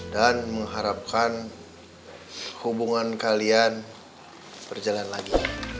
mengharapkan hubungan kalian berjalan lagi